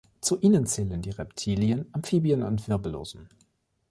Zu ihnen zählen die Reptilien, Amphibien und Wirbellosen.